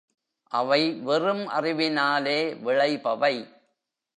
அவை வெறும் அறிவினாலே விளைபவை.